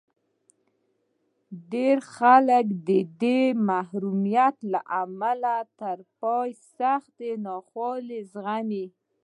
ډېر خلک د دې محرومیت له امله تر پایه سختې ناخوالې زغمي